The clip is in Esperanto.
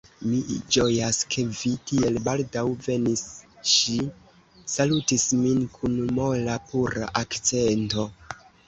Mi ĝojas, ke vi tiel baldaŭ venis, ŝi salutis min kun mola, pura akcento.